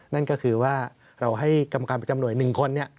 นั่นก็คือว่าเราให้กรรมการประจำหน่วย๑คน